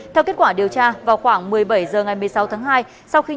theo kết quả điều tra vào khoảng một mươi bảy h ngày một mươi sáu tháng hai